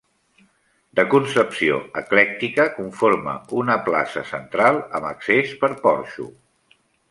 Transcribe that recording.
De concepció eclèctica, conforma una plaça central, amb accés per porxo.